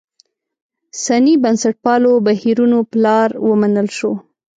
سني بنسټپالو بهیرونو پلار ومنل شو.